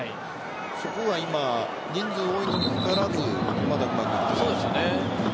そこが今人数多いにもかかわらずまだうまくやれていない。